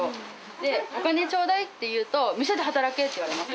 で、お金ちょうだいって言うと、店で働けって言われます。